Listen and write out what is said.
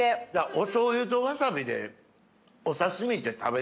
おしょうゆとわさびでお刺し身で食べてても。